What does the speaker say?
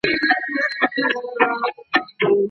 د متضرر کورنۍ قاتل ته عفوه وکړه.